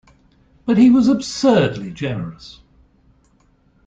But he was absurdly generous.